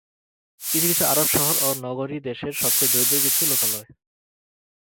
কিছু কিছু আরব শহর ও নগরী দেশটির সবচেয়ে দরিদ্র কিছু লোকালয়।